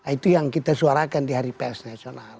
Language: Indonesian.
itu yang kita suarakan di hari pers nasional